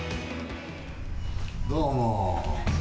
どうも。